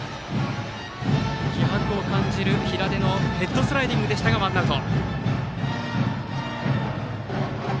気迫を感じる平出のヘッドスライディングでしたがワンアウト。